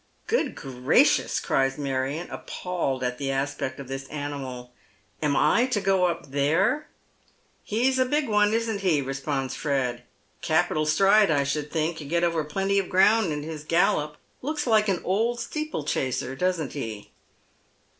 " Good gracious !" cries Marion, appalled at the aspect of this animal, " am I to go up there ?"" He's a big one, isn't he ?" responds Fred. " Capital stride I should think, get over plenty of ground in his gallop. Looks like an old steeplechaser, doesn't he